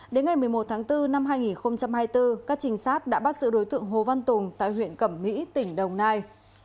đến ngày một mươi một tháng bốn năm hai nghìn hai mươi bốn các trinh sát đã bắt sự đối tượng hồ văn tùng tại huyện cẩm mỹ tỉnh đồng nai